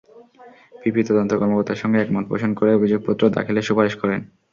পিপি তদন্ত কর্মকর্তার সঙ্গে একমত পোষণ করে অভিযোগপত্র দাখিলের সুপারিশ করেন।